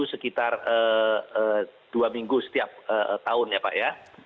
sekitar dua minggu setiap tahun ya pak ya